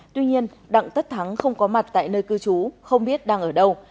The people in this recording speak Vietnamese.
tuy nhiên đặng tất thắng không có mặt tại nơi cư trú không biết đang ở đâu